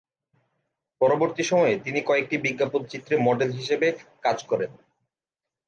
পরবর্তী সময়ে তিনি কয়েকটি বিজ্ঞাপন চিত্রে মডেল হিসেবে কাজ করেন।